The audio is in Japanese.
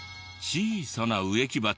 小さな植木鉢。